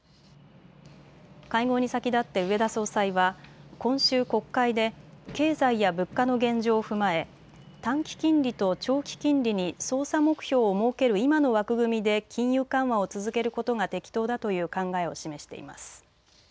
会合に先立って植田総裁は今週、国会で経済や物価の現状を踏まえ短期金利と長期金利に操作目標を設ける今の枠組みで金融緩和を続けることが適当だという考えを示しています。